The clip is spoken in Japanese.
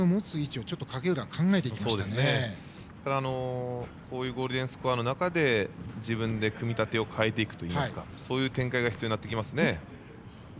ですから、こういうゴールデンスコアの中で自分で組み立てを変えていく展開が必要になりますね。